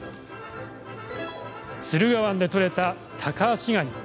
駿河湾で取れたタカアシガニ。